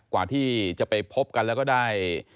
กว่าที่จะไปพบกันแล้วก็ได้